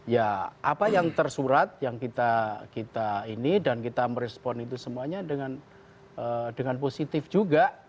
ya apa yang tersurat yang kita ini dan kita merespon itu semuanya dengan positif juga